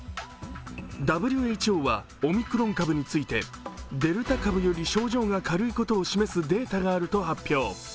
ＷＨＯはオミクロン株についてデルタ株より症状が軽いことを示すデータがあると発表。